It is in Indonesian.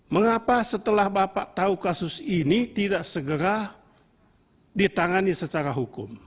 mengapa setelah bapak tahu kasus ini tidak segera ditangani secara hukum